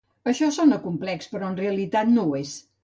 Això sona complex però en realitat no ho és.